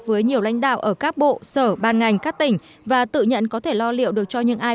với nhiều lãnh đạo ở các bộ sở ban ngành các tỉnh và tự nhận có thể lo liệu được cho những ai